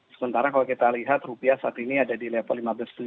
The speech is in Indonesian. sementara kalau kita lihat rupiah saat ini ada di level lima belas tujuh